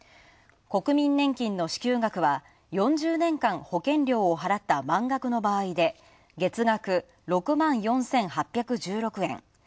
国民年金の支給額は４０年間保険料を払った満額の場合で月額６万４８１６円。